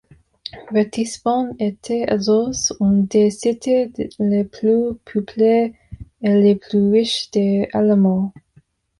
Ratisbonne était alors une des cités les plus peuplées et les plus riches d'Allemagne.